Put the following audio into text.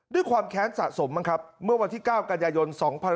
ความแค้นสะสมบ้างครับเมื่อวันที่๙กันยายน๒๕๖๒